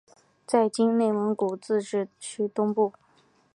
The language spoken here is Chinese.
在今内蒙古自治区东部。